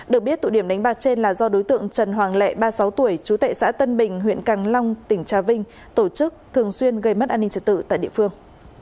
được biết tụ điểm đánh bạc trên là do đối tượng trần hoàng lệ ba mươi sáu tuổi trú tại xã tân bình huyện càng long tỉnh trà vinh tổ chức thường xuyên gây mất an ninh trật tự tại địa phương